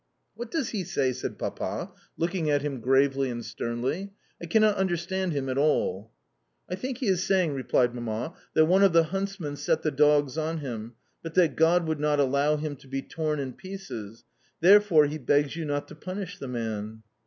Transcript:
"What does he say?" said Papa, looking at him gravely and sternly. "I cannot understand him at all." "I think he is saying," replied Mamma, "that one of the huntsmen set the dogs on him, but that God would not allow him to be torn in pieces. Therefore he begs you not to punish the man."